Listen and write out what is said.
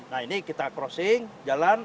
nah ini kita crossing jalan